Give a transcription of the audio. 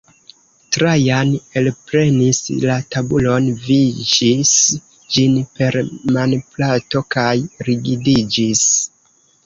Trajan elprenis la tabulon, viŝis ĝin per manplato kaj rigidiĝis.